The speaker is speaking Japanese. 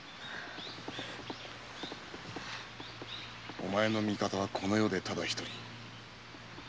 お前の味方はこの世でただ一人わたしだけだ。